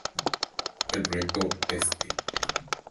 El Proyecto St.